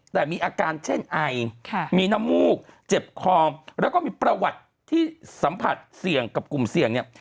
แต่มีอาการเช่นไอมีน้ำมูกเจ็บคอแล้วก็มีประวัติที่สัมผัสเสี่ยงกับกลุ่มเสี่ยงเนี่ย